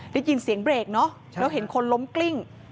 ได้ยินเสียงเบรกเนอะแล้วเห็นคนล้มกลิ้ง